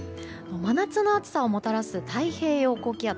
真夏の暑さをもたらす太平洋高気圧。